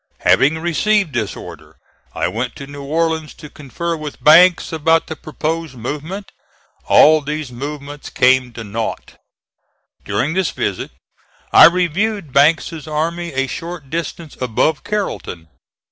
Having received this order I went to New Orleans to confer with Banks about the proposed movement. All these movements came to naught. During this visit I reviewed Banks' army a short distance above Carrollton.